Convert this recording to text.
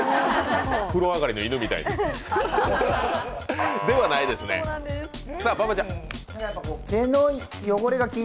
風呂上がりの犬みたいに？